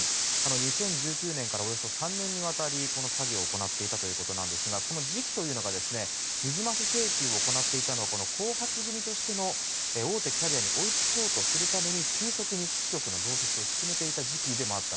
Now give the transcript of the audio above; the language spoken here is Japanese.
２０１９年からおよそ３年にわたりこの詐欺を行っていたということなんですがこの時期というのが水増し請求を行っていたのは後発組としての大手キャリアに追いつこうとするために急速に基地局の増設を進めていた時期でもあった。